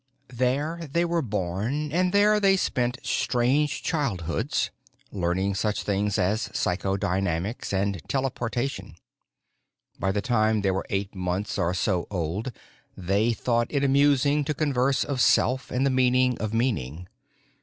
There they were born, and there they spent strange childhoods, learning such things as psychodynamics and teleportation. By the time they were eight months or so old they thought it amusing to converse of Self and the Meaning of Meaning.